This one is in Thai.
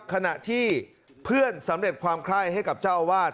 ขณะที่เพื่อนสำเร็จความไคร้ให้กับเจ้าอาวาส